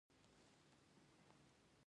اغه دې خپلې مور سره اوسېږ؛ ترينو ګړدود